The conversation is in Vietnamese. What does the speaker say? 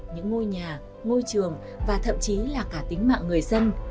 những ngôi nhà ngôi trường và thậm chí là cả tính mạng người dân